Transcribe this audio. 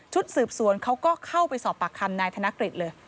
สืบสวนเขาก็เข้าไปสอบปากคำนายธนกฤษเลย